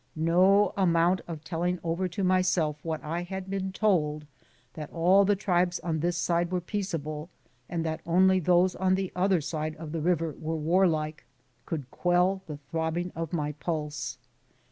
No amount of telling over to myself what I had been told, that all the tribes on this side w^ere peaceable and that only those on the other side of the river were warlike, could quell the throbbing of my pulses.